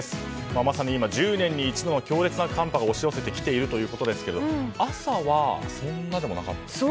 まさに今、１０年に一度の強烈な寒波が押し寄せてきているということですが朝はそんなでもなかったですよね。